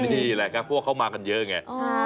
นี่แหละครับเพราะว่าเขามากันเยอะไง